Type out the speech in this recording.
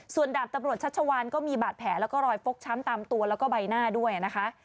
ส่วนดาบตำรวจชัชวานก็มีบาดแผลแล้วก็รอยฟกช้ำตามตัวแล้วก็ใบหน้าด้วยนะคะ